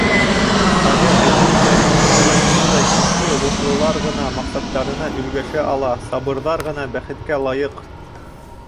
Шағир әйтмешләй, ана шундай көслө рухлылар ғына маҡсаттарына өлгәшә ала, сабырҙар ғына бәхеткә лайыҡ.